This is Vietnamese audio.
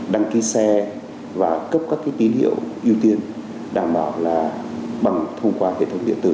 đăng ký xe và cấp các tín hiệu ưu tiên đảm bảo là bằng thông qua hệ thống điện tử